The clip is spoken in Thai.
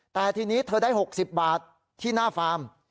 แต่ทีนี้เธอได้๖๐บาทที่หน้าฟาร์ม